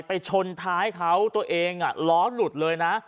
ชนท้ายเขาตัวเองล้อหลุดเลยนะ